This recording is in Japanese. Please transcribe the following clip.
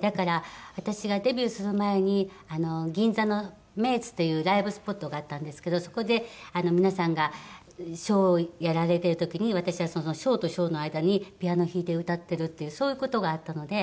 だから私がデビューする前に銀座のメイツというライブスポットがあったんですけどそこで皆さんがショーをやられてる時に私はそのショーとショーの間にピアノ弾いて歌ってるっていうそういう事があったので。